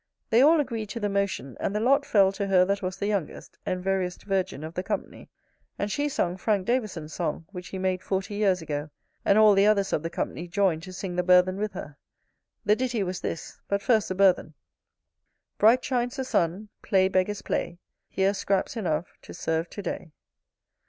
They all agreed to the motion; and the lot fell to her that was the youngest, and veriest virgin of the company. And she sung Frank Davison's song, which he made forty years ago; and all the others of the company joined to sing the burthen with her. The ditty was this; but first the burthen: Bright shines the sun; play, Beggars, play; Here's scraps enough to serve to day.